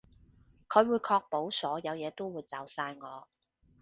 佢會確保所有嘢都會就晒我